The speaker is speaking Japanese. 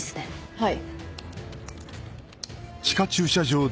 はい。